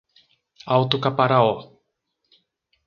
Alto Caparaó